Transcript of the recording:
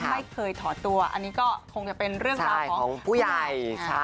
ไม่เคยถอดตัวอันนี้ก็คงจะเป็นเรื่องราวของผู้ใหญ่